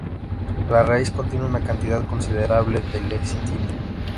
La raíz contiene una cantidad considerable de lecitina.